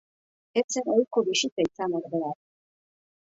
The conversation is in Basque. Ez zen ohiko bisita izan ordea.